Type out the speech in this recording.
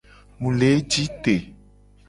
Mu le ji te.